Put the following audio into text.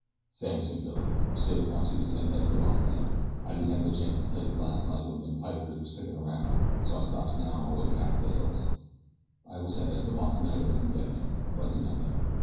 "Thanks," said Billy. "Pesita wants you to send Esteban to him. I didn't have no chance to tell you last night while them pikers was stickin' aroun', so I stops now on my way back to the hills." "I will send Esteban tonight if I can get him; but I do not know.